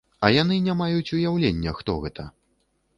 А яны не маюць уяўлення, хто гэта!